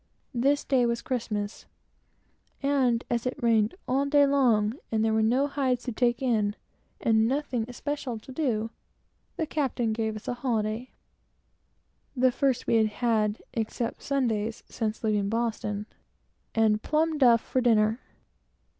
This day was Christmas; and as it rained all day long, and there were no hides to take in, and nothing especial to do, the captain gave us a holiday, (the first we had had since leaving Boston,) and plum duff for dinner.